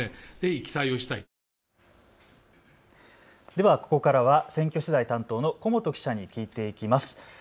ではここからは選挙取材担当の古本記者に聞いていきます。